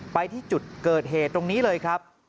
ไปที่จุดเกิดเหตุตรงนี้เลยครับ